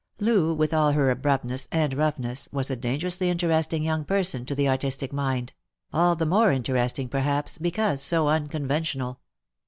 Loo, with all her abruptness and roughness, was a dangerously interesting young person to the artistic mind — all the more interesting, perhaps, because so unconventional.